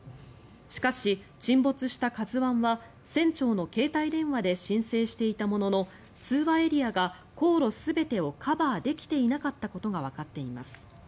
しかし沈没した「ＫＡＺＵ１」は船長の携帯電話で申請していたものの通話エリアが航路全てをカバーできていなかったことがわかっています。